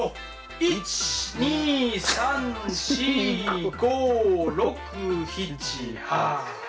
１２３４５６７８。